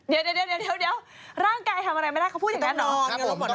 เดี๋ยวร่างกายทำอะไรไม่ได้เขาพูดอย่างแน่นอน